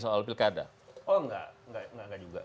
oh enggak enggak juga